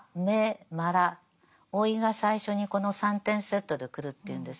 老いが最初にこの３点セットで来るっていうんです。